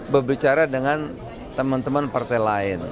berbicara dengan teman teman partai lain